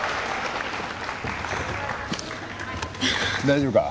大丈夫か？